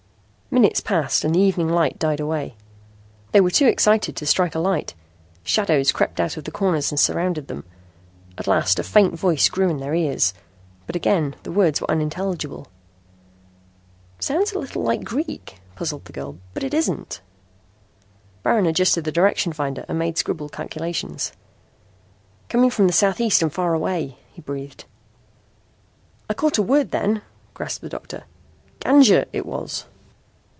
Minutes passed and the evening light died away. They were too excited to strike a light. Shadows crept out of the corners and surrounded them. At last a faint voice grew in their ears. But again the words were unintelligible. "Sounds a little like Greek," puzzled the girl, "but it isn't." Baron adjusted the direction finder and made scribbled calculations. "Coming from the southeast and far away," he breathed. "I caught a word then," gasped the doctor. "'Ganja,' it was."